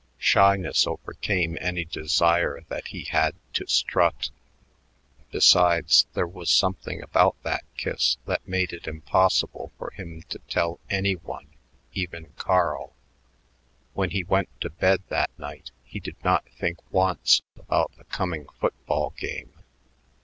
Shyness overcame any desire that he had to strut. Besides, there was something about that kiss that made it impossible for him to tell any one, even Carl. When he went to bed that night, he did not think once about the coming football game.